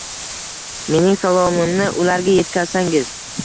Mening salomimni ularga yetkazsangiz.